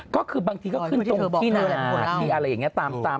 ก็คือบางทีก็ขึ้นตรงที่นอนหวาดที่อะไรอย่างนี้